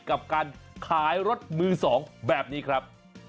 กับการขายรถมือ๒แบบนี้ครับ